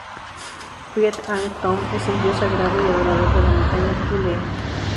Preah Ang Thom es el dios sagrado y adorador de la montaña Ku Len.